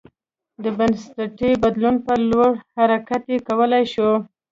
د بنسټي بدلون په لور حرکت یې کولای شو